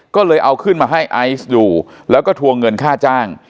ก็เลยเอาขึ้นมาให้ไอซ์อยู่แล้วก็ทวงเงินค่าจ้าง